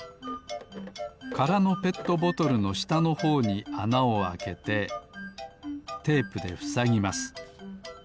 からのペットボトルのしたのほうにあなをあけてテープでふさぎます。